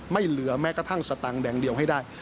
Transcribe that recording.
ไม่เหลือแม้กระทั่งสตางค์แดงเดียวให้ได้